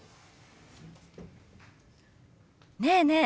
ねえねえ